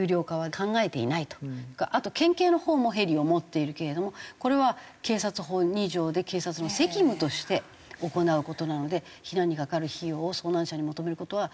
あと県警のほうもヘリを持っているけれどもこれは警察法２条で警察の責務として行う事なので避難にかかる費用を遭難者に求める事は考えていないと。